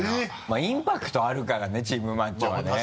まぁインパクトあるからねチームマッチョはね。